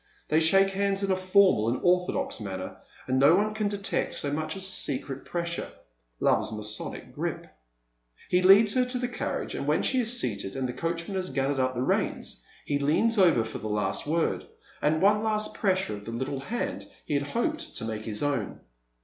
They shake hands in a formal and orthodox manner, and no one can detect so much as a secret pressure — love's Masonic grip. He leads her to the carriage, and when she is seated, and the coacliman has gathered up the reins, he leans over for the last word, and one last pressure of the Uttle hand he had hoped to make his own.